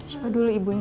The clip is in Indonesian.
suka dulu ibunya